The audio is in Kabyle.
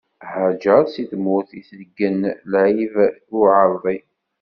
Hajeṛ si tmurt itegen lɛib i uɛeṛḍi.